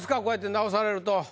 こうやって直されると。